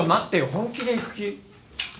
本気で行く気？